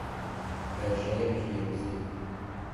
رژهی پیروزی